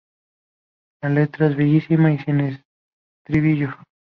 La letra es brevísima y sin estribillo.